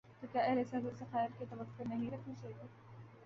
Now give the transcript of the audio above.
تو کیا اہل سیاست سے خیر کی توقع نہیں رکھنی چاہیے؟